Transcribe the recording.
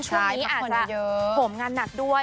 ช่วงนี้อาจจะผมงานหนักด้วย